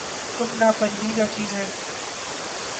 تم ناپندیدہ چیز ہے